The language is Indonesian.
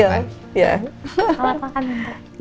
selamat makan mbak